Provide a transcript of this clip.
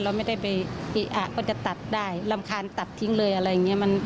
เราไม่ได้ไปก็จะตัดได้รำคาญตัดทิ้งเลยอะไรอย่างนี้